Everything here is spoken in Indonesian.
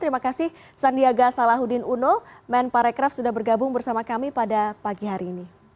terima kasih tia nen terima kasih dea selamat pagi